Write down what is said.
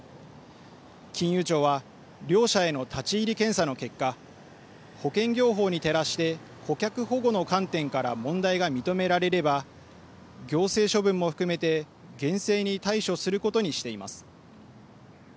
金融庁は両社への立ち入り検査の結果、保険業法に照らして顧客保護の観点から問題が認められれば行政処分も含めて厳正に対処することにしています。